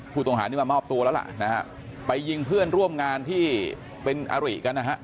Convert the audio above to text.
ผู้ต้องหานี่มามอบตัวแล้วล่ะนะฮะไปยิงเพื่อนร่วมงานที่เป็นอริกันนะฮะ